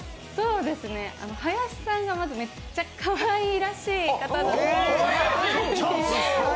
林さんがまずめっちゃかわいらしい方だなと。